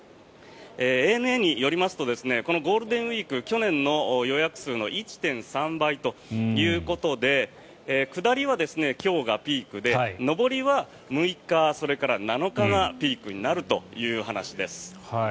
ＡＮＡによりますとこのゴールデンウィーク去年の予約数の１．３倍ということで下りは今日がピークで上りは６日、それから７日がピークになるという話です。